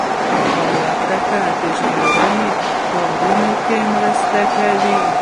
الوتکه د ژغورنې کارونو کې مرسته کوي.